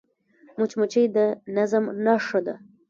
مچمچۍ د نظم نښه ده